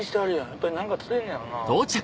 やっぱり何か釣れんねやろな。